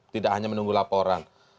tidak hanya menunggu laporan